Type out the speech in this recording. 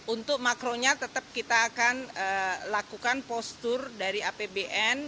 untuk makronya tetap kita akan lakukan postur dari apbn